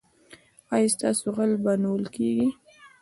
ایا ستاسو غل به نیول کیږي؟